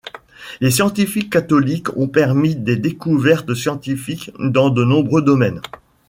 Les scientifiques catholiques ont permis des découvertes scientifiques dans de nombreux domaines.